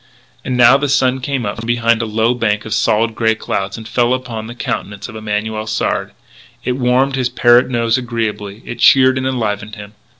And now the sun came out from behind a low bank of solid grey cloud, and fell upon the countenance of Emanuel Sard. It warmed his parrot nose agreeably; it cheered and enlivened him.